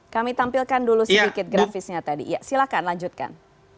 kami tampilkan dulu sedikit grafisnya tadi silakan lanjutkan